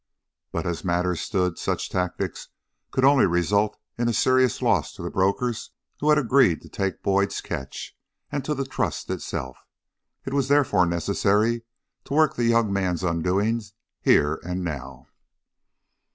But as matters stood, such tactics could only result in a serious loss to the brokers who had agreed to take Boyd's catch, and to the Trust itself. It was therefore necessary to work the young man's undoing here and now.